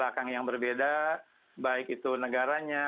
belakang yang berbeda baik itu negaranya